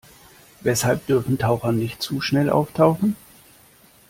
Weshalb dürfen Taucher nicht zu schnell auftauchen?